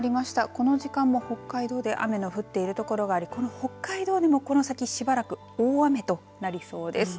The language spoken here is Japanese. この時間も北海道で雨が降っているところがあり北海道でもしばらく大雨となりそうです。